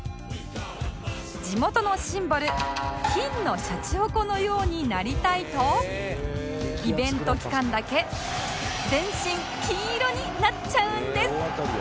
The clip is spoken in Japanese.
地元のシンボル金のシャチホコのようになりたいとイベント期間だけ全身金色になっちゃうんです